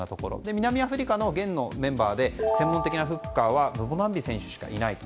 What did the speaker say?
南アフリカの現メンバーで専門的なフッカーはムボナンビ選手しかいない。